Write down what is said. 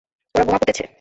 ওরা বোমা পুঁতেছে।